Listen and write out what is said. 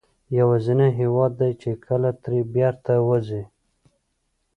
یوازینی هېواد دی چې کله ترې بېرته وځې.